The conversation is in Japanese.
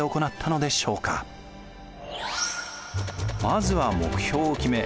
まずは目標を決め